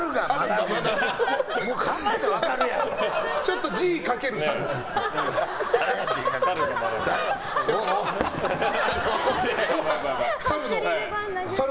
ちょっと字書けるサル。